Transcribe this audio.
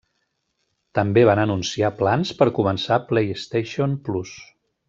També van anunciar plans per començar PlayStation Plus.